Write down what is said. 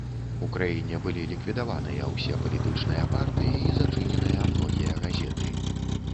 У краіне былі ліквідаваныя ўсе палітычныя партыі і зачыненыя многія газеты.